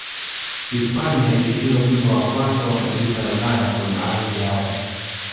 hispania ilishinda ubingwa wa kwanza wa mataifa ya ulaya kwenye ardhi yao